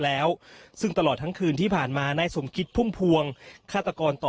แล้วซึ่งตลอดทั้งคืนที่ผ่านมานายสมคิดพุ่มพวงฆาตกรต่อ